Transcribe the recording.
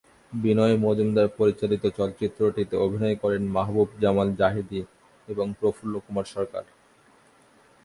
বিনয় মজুমদার পরিচালিত চলচ্চিত্রটিতে অভিনয় করেন মাহবুব জামাল জাহেদী এবং প্রফুল্লকুমার সরকার।